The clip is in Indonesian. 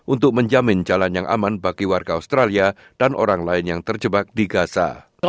untuk menjamin jalan yang aman bagi warga australia dan orang lain yang terjebak di gaza